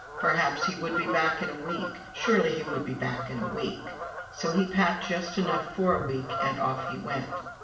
Perhaps he would be back in a week! Surely he would be back in a week! So he packed just enough for a week, and off he went.